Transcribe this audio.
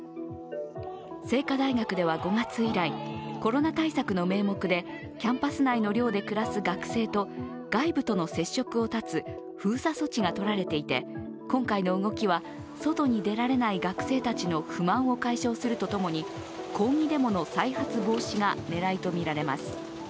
清華大学では５月以来コロナ対策の名目でキャンパス内の寮で暮らす学生と外部との接触を断つ封鎖措置が取られていて今回の動きは外に出られない学生たちの不満を解消するとともに抗議デモの再発防止が狙いとみられます。